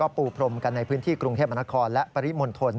ปูพรมกันในพื้นที่กรุงเทพมนครและปริมณฑล